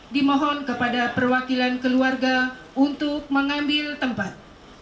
dimohon kepada perwakilan keluarga untuk mengambil tempat